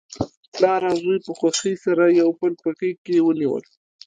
پلار او زوی په خوښۍ سره یو بل په غیږ کې ونیول.